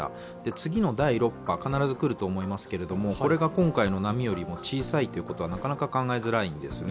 次の第６波、必ずくると思いますけどもこれが今回の波よりも小さいということはなかなか考えづらいんですね。